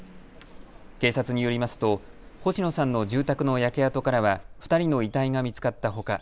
警察によりますと星野さんの住宅の焼け跡からは２人の遺体が見つかったほか